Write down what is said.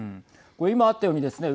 今あったようにですね